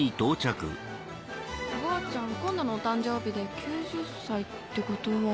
おばあちゃん今度のお誕生日で９０歳ってことは。